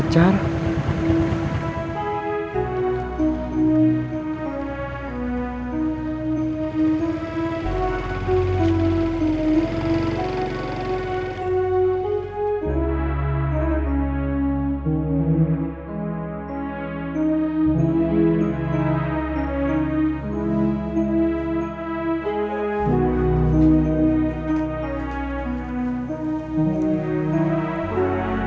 jangan jangan tegang mulyadi